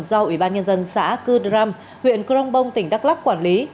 do ủy ban nhân dân xã cư đram huyện crong bông tỉnh đắk lắc quản lý